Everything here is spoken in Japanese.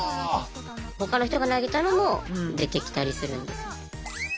他の人が投げたのも出てきたりするんです。